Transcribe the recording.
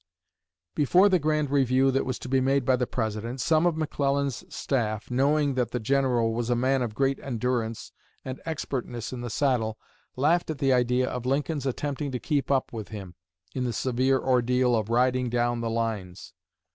Before the grand review that was to be made by the President, some of McClellan's staff, knowing that the General was a man of great endurance and expertness in the saddle, laughed at the idea of Lincoln's attempting to keep up with him in the severe ordeal of "riding down the lines."